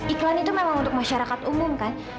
iklan itu memang untuk masyarakat umum kan